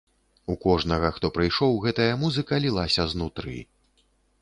У кожнага, хто прыйшоў, гэтая музыка лілася знутры.